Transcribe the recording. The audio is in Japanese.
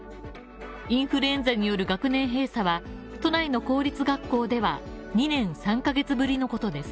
インフルエンザによる学年閉鎖は、都内の公立学校では、２年３ヶ月ぶりのことです。